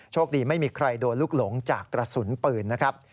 โชคดีไม่มีใครโดนลูกหลงจากกระสุนปืนนะครับ